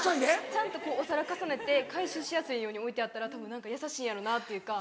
ちゃんとお皿重ねて回収しやすいように置いてあったら優しいんやろうなっていうか。